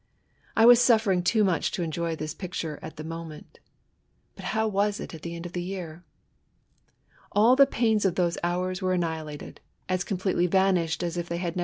I was suffering too much to enjoy this picture at the moment : but how was it at the end of the year ? The pains of all those hours were annihilated— as completely vanished as if they had GOOD AND EVIL.